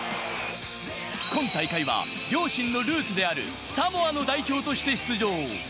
今大会は両親のルーツであるサモアの代表として出場。